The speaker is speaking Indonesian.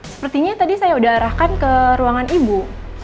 sepertinya tadi saya sudah arahkan ke ruangan ibu